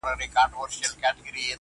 o نن د پايزېب په شرنگهار راته خبري کوه.